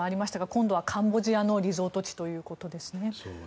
今度はカンボジアのリゾート地ということですね。